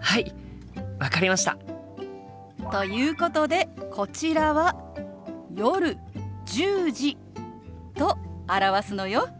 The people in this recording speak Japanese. はい分かりました！ということでこちらは「夜１０時」と表すのよ。